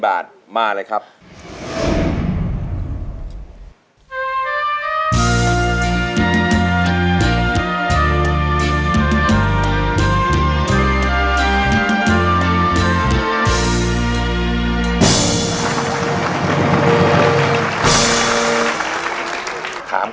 ร้องได้ให้ร้อง